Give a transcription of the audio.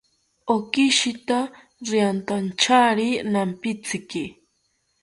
Okishita riantanchari nampitziki